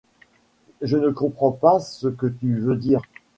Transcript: Je ne comprends pas ce que tu veux dire.